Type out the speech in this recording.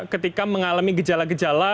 ketika mengalami gejala gejala